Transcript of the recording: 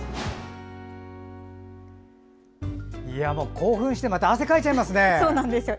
興奮してまた汗かいちゃいますね。